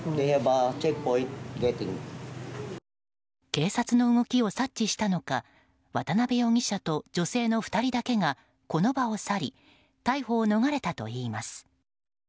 警察の動きを察知したのか渡辺容疑者と女性の２人だけがこの場を去り逮捕を逃れたといいます。